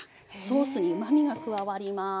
ソースにうまみが加わります。